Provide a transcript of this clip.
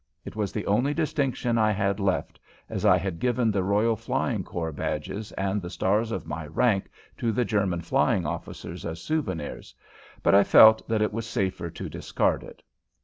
It was the only distinction I had left, as I had given the Royal Flying Corps badges and the stars of my rank to the German Flying Officers as souvenirs, but I felt that it was safer to discard it.